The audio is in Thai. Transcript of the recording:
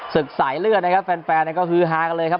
ศึกสายเลือดนะครับแฟนก็คือฮากันเลยครับ